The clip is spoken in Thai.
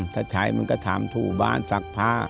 ถ้าใช้มันก็ทำทู่บ้านศักดิ์พระ